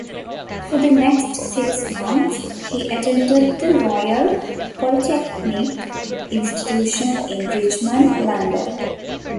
For the next six months, he attended the Royal Polytechnic Institution in Richmond, London.